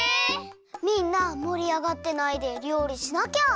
みんなもりあがってないでりょうりしなきゃ。